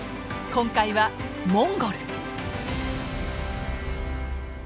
今回はモンゴル。